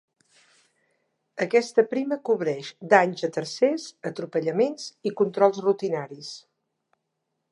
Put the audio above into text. Aquesta prima cobreix danys a tercers, atropellaments i controls rutinaris.